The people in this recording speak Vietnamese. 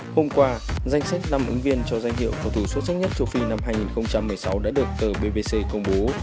hôm qua danh sách năm ứng viên cho danh hiệu cầu thủ xuất sắc nhất châu phi năm hai nghìn một mươi sáu đã được tbc công bố